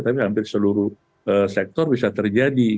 tapi hampir seluruh sektor bisa terjadi